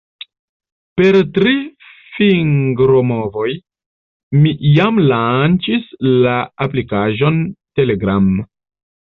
Per tri fingromovoj, mi jam lanĉis la aplikaĵon Telegram.